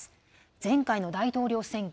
前回の大統領選挙